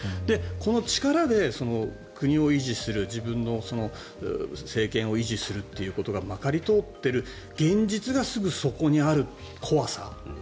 この力で国を維持する自分の政権を維持するということがまかり通っている現実がすぐそこにある怖さ。